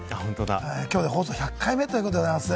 今日で放送１００回目ということでございます。